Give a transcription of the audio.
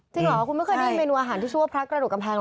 จริงหรอคุณไม่เคยได้ยินเมนูอาหารที่ชั่วพระกระโดดกำแพงหรอ